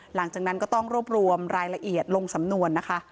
หลังจากนั้นก็ต้องรวบรวมรายละเอียดลงสำนวนนะคะ